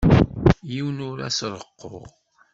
Yiwen ur as-reqquɣ.